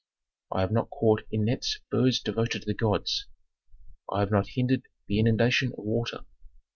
I have not caught in nets birds devoted to the gods. I have not hindered the inundation of water.